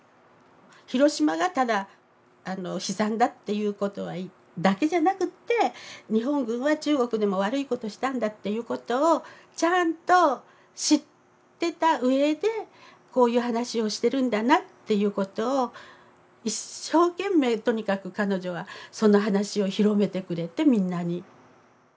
広島がただ悲惨だっていうことだけじゃなくて日本軍は中国でも悪いことしたんだっていうことをちゃんと知ってたうえでこういう話をしてるんだなっていうことを一生懸命とにかく彼女はその話を広めてくれてみんなに。